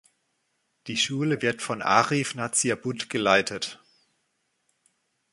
Die Schule wird von Arif Nazir Butt geleitet.